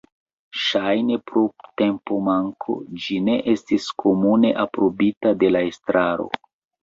Ŝajne pro tempomanko, ĝi ne estis komune aprobita de la estraro.